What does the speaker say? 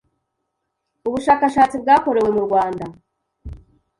Ubushakashatsi bwakorewe mu Rwanda